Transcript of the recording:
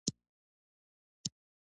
دېوان د شاعر د کلام مجموعه ده.